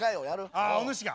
あお主が。